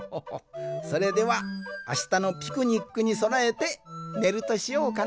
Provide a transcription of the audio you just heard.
それではあしたのピクニックにそなえてねるとしようかの。